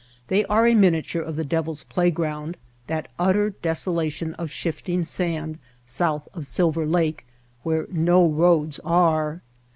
They are a miniature of the Devil's Playground, that utter desolation of shifting sand south of Silver Lake where no roads are.